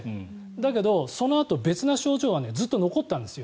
だけどそのあと別の症状はずっと残ったんですよ。